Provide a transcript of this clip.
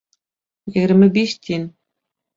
Егерме биш тин